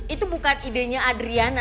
itu bukan idenya adriana